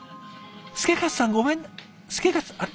祐勝さんごめん祐勝さんあれ？